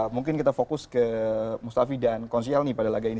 mungkin kita fokus ke mustafi dan konsilni pada laga ini